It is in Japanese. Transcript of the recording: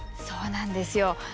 そうなんですよ。